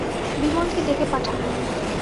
বিমলকে ডেকে পাঠালুম।